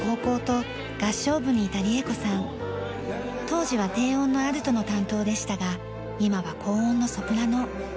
当時は低音のアルトの担当でしたが今は高音のソプラノ。